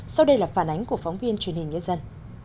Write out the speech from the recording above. sau đây là phản ánh của phóng viên truyền hình nhân dân